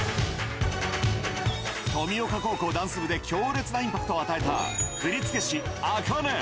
登美丘高校ダンス部で強烈なインパクトを与えた振付師、ａｋａｎｅ。